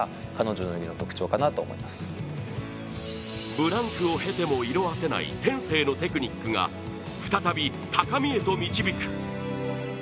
ブランクを経ても色あせない天性のテクニックが再び、高みへと導く。